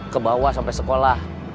ke bawah sampai sekolah